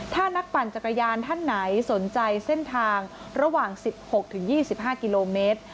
ถ้านักปั่นจักรยานท่านไหนสนใจเส้นทางระหว่าง๑๖๒๕กิโลเมตร